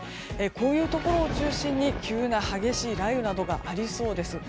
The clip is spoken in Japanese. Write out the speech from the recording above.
こういうところを中心に急な激しい雷雨などがありそうです。